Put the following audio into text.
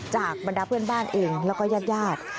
จากบรรดาเพื่อนบ้านเองแล้วก็ญาติรัฐ